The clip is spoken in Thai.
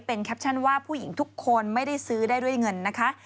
เป็นแคปชั่นว่าผู้หญิงทุกคนไม่ได้ซื้อได้ด้วยเงินนะคะ